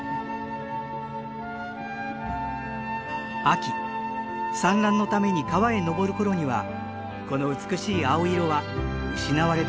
秋産卵のために川へ上る頃にはこの美しい青色は失われてしまいます。